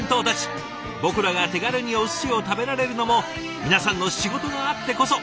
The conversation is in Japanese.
僕らが手軽にお寿司を食べられるのも皆さんの仕事があってこそ。